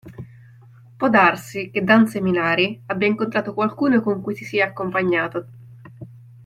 Può darsi che Dan Seminari abbia incontrato qualcuno con cui si sia accompagnato.